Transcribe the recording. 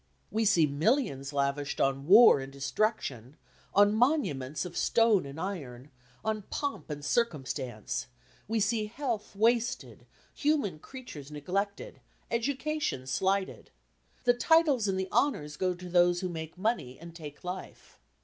We see millions lavished on war and destruction, on monuments of stone and iron, on pomp and circumstance: we see health wasted, human creatures neglected, education slighted. The titles and the honours go to those who make money and take life.